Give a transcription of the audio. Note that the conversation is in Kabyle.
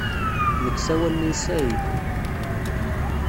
Nek sawalen-iyi Saɛid.